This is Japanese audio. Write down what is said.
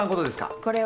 これは何？